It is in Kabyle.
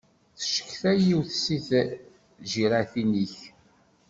Teccetka yiwet seg tǧiratin-ik.